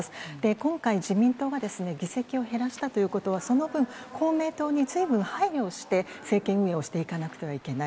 今回、自民党は議席を減らしたということは、その分、公明党にずいぶん配慮をして政権運営をしていかなくてはいけない。